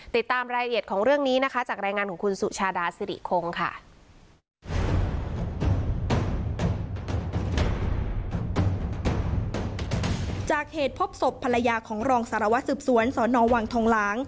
ติดตามรายละเอียดของเรื่องนี้นะคะจากรายงานของคุณสุชาดาสิริคงค่ะ